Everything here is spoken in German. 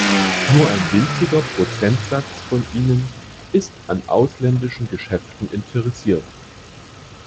Nur ein winziger Prozentsatz von ihnen ist an ausländischen Geschäften interessiert.